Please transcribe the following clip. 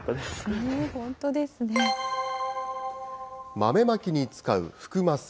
豆まきに使う福升。